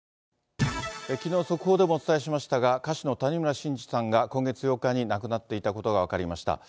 きのう、速報でもお伝えしましたが、歌手の谷村新司さんが今月８日に亡くなっていたことが分かりました。